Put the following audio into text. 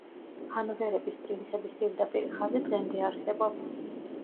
ჰანოვერების პრინცების პირდაპირი ხაზი დღემდე არსებობს.